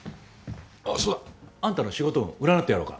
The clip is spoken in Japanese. あそうだ。あんたの仕事運占ってやろうか。